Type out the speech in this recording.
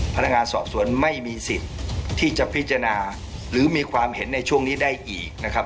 พนักงานสอบสวนไม่มีสิทธิ์ที่จะพิจารณาหรือมีความเห็นในช่วงนี้ได้อีกนะครับ